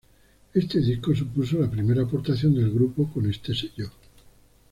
Este disco supuso la primera aportación del grupo con este sello.